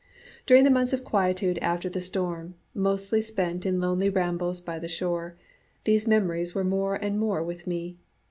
During the months of quietude after the storm, mostly spent in lonely rambles by the shore, these memories were more and more with me.